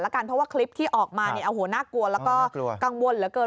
เพราะว่าคลิปที่ออกมาน่ากลัวแล้วก็กังวลเหลือเกิน